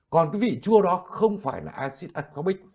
còn cái vị chua đó không phải là acid acobic